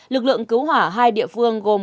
lực lượng cứu hỏa hai địa phương gồm